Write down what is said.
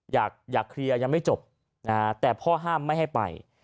อยากเคลียร์ยังไม่จบนะฮะแต่พ่อห้ามไม่ให้ไป